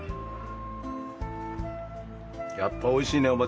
やっぱおいしいね。